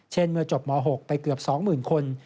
เช่นเมื่อจบหมอ๖ไปเกือบ๒๐๐๐๐คน